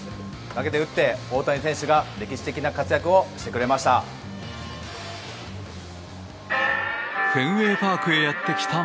投げて、打って大谷選手が歴史的な活躍をしてくれました。